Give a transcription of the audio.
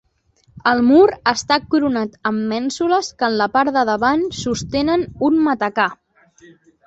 El mur està coronat amb mènsules que en la part de davant sustenten un matacà.